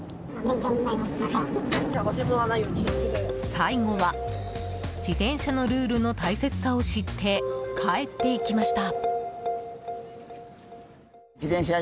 最後は自転車のルールの大切さを知って帰っていきました。